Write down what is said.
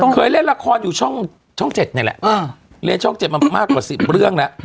เคยเล่นละครอยู่ช่อง๗นี่แหละเรียนช่อง๗มามากกว่า๑๐เรื่องแล้ว